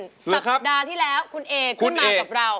สัปดาห์ที่แล้วคุณเอขึ้นมากับเรา